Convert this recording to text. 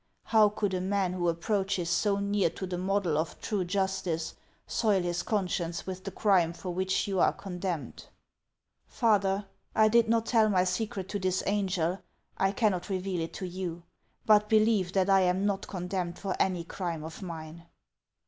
— how could a man who approaches so near to the model of true jus tice soil his conscience with the crime for which you are condemned ?"" Father, 1 did not tell my secret to this angel ; I can not reveal it to you. But believe that I am not con demned for any crime of mine."